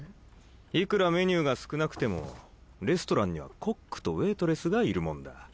いくらメニューが少なくてもレストランにはコックとウエートレスがいるもんだ。